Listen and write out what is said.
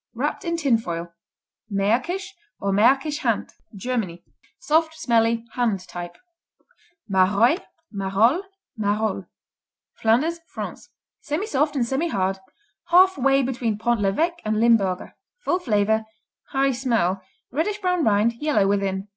Wrapped in tin foil. Märkisch, or Märkisch Hand Germany Soft; smelly; hand type. Maroilles, Marolles, Marole Flanders, France Semisoft and semihard, half way between Pont l'Evêque and Limburger. Full flavor, high smell, reddish brown rind, yellow within.